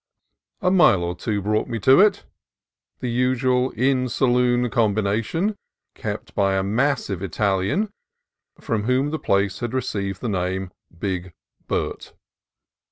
A mile or two brought me to it, the usual inn saloon combination, kept by a massive Italian from whom the place had received the name "Big Bert."